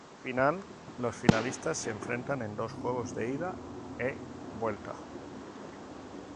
Final: los finalistas se enfrentan en dos juegos de ida e vuelta.